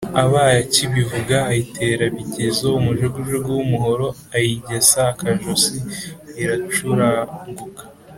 abaye akibivuga ayitera bigezo umujugujugu w’umuhoro ayigesa akajosi, iracuranguka.